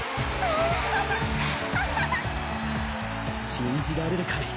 信じられるかい？